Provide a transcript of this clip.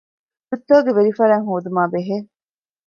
ރުއްތަކުގެ ވެރިފަރާތް ހޯދުމާބެހޭ